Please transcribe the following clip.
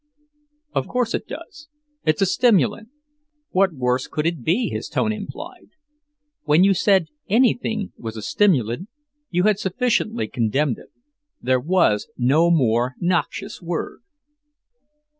"Of course it does; it's a stimulant." What worse could it be, his tone implied! When you said anything was a "stimulant," you had sufficiently condemned it; there was no more noxious word.